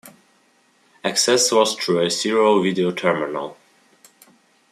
Access was through a serial video terminal.